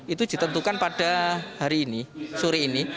itu ditentukan pada hari ini sore ini